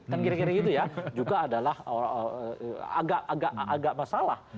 kan kira kira gitu ya juga adalah agak masalah